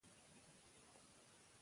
زه د دې تاریخي پېښو په اړه فکر کوم.